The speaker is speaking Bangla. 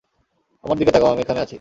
আমার দিকে তাকাও, আমি এখানেই আছি।